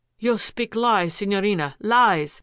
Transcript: " You speak lies, Signorina, lies